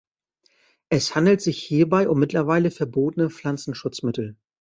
Es handelt sich hierbei um mittlerweile verbotene Pflanzenschutzmittel.